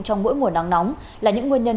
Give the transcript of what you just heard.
trong mỗi mùa nắng nóng là những nguyên nhân